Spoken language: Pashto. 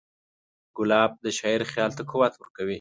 ګلاب د شاعر خیال ته قوت ورکوي.